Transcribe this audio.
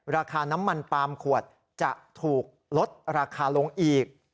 ราคาน้ำมันปาล์มขวดจะถูกลดราคาลงอีก